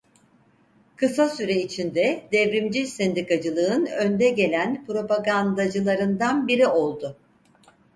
Kısa süre içinde devrimci sendikacılığın önde gelen propagandacılarından biri oldu.